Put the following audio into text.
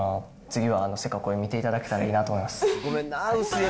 次はセカコイ見ていただけたらいいなと思います。